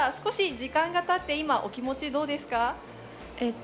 時間が経って、お気持ちはどうですか？